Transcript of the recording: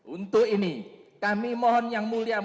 untuk ini kami mohon yang mulia